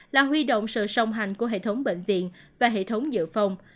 là huy động sự song hành của hệ thống bệnh viện và hệ thống dự phòng